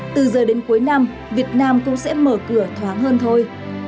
từ giờ đến cuối năm việt nam cũng sẽ mở cửa thoáng hơn thôi